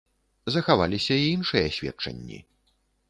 Захаваліся і іншыя сведчанні.